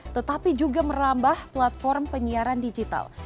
tetapi juga merambah platform penyiaran digital